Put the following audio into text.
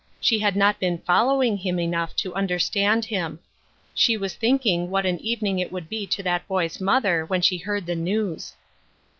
She had not been following him enough to understand him. She was thinking what an evening it would be to that boy's mother when she heard the news.